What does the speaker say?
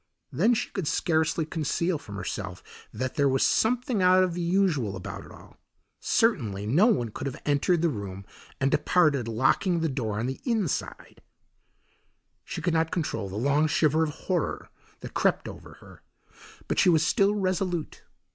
Then she could scarcely conceal from herself that there was something out of the usual about it all. Certainly no one could have entered the room and departed locking the door on the inside. She could not control the long shiver of horror that crept over her, but she was still resolute.